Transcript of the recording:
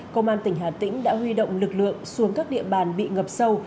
công an tỉnh hà tĩnh đã huy động lực lượng xuống các địa bàn bị ngập sâu